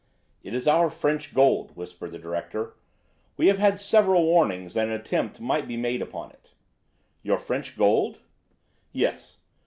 "It is our French gold," whispered the director. "We have had several warnings that an attempt might be made upon it." "Your French gold?" "Yes.